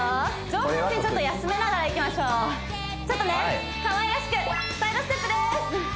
上半身休めながらいきましょうちょっとねかわいらしくサイドステップです